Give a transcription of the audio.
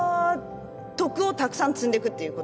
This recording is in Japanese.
徳をたくさん積んでいくっていうことですよね？